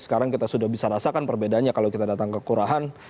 sekarang kita sudah bisa rasakan perbedaannya kalau kita datang ke kelurahan